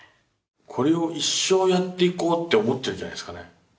これを一生やっていこうって思ってるんじゃないですかね